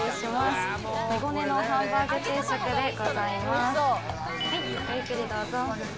手ごねのハンバーグ定食でございます。